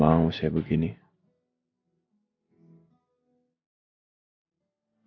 apakah kau akan acces ke twitter story ini bos